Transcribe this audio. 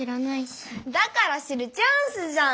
だから知るチャンスじゃん！